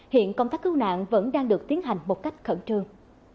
hiện công tác cứu nạn vẫn đang được tiến hành một cách khẩn trương